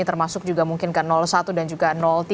termasuk juga mungkin ke satu dan juga tiga